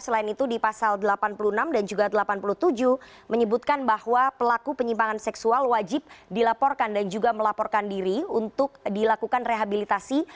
selain itu di pasal delapan puluh enam dan juga delapan puluh tujuh menyebutkan bahwa pelaku penyimpangan seksual wajib dilaporkan dan juga melaporkan diri untuk dilakukan rehabilitasi